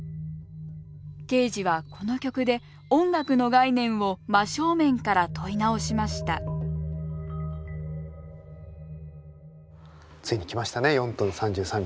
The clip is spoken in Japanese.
ケージはこの曲で音楽の概念を真正面から問い直しましたついに来ましたね「４分３３秒」が。